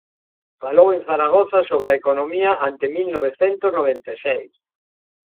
Falou en Zaragoza sobre "A economía ante mil novecentos noventa e seis"